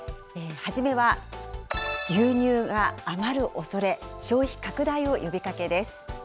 初めは、牛乳が余るおそれ、消費拡大を呼びかけです。